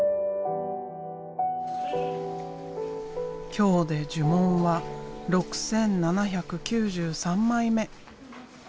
今日で呪文は６，７９３枚目。